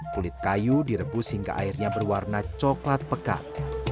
kulit kayu direbus hingga airnya berwarna coklat pekat